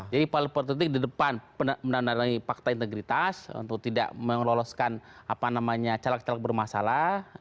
jadi partai politik di depan menandai nandai fakta integritas untuk tidak meloloskan apa namanya caleg caleg bermasalah